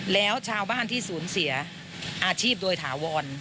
แล้วชาวบ้านที่สูญเสียอาชีพโดยถาวร